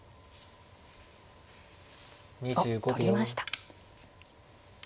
おっ取りました。